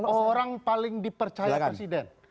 orang paling dipercaya presiden